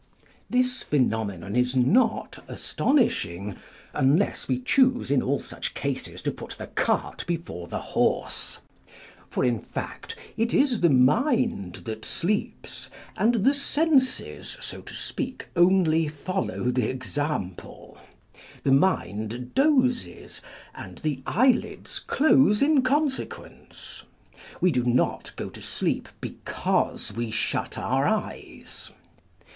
This phenomenon is not astonishing, unless we choose in all such cases to put the cart before the horse. For in fact, it is the mind that sleeps, and the senses (so to speak) only follow tho example. The mind dozes, and the eyelids close in con sequence : we do not go to sleep because we shut our eyes.